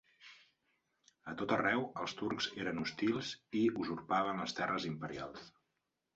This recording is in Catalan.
A tot arreu els turcs eren hostils i usurpaven les terres imperials.